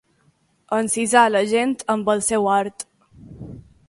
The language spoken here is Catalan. Encisar la gent amb el seu art.